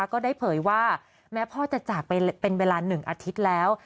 ก็ได้เผยว่าแม้พ่อจะจากไปเป็นเวลา๑อาทิตย์แล้ว